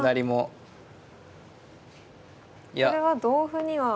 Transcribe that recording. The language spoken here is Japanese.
これは同歩には。